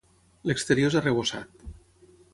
L'exterior és arrebossat.